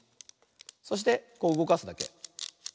そしてこううごかすだけ。